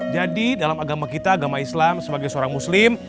jadi dalam agama kita agama islam sebagai seorang muslim